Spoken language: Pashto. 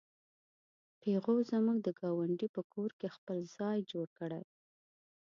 پيغو زموږ د ګاونډي په کور کې خپل ځای جوړ کړی و.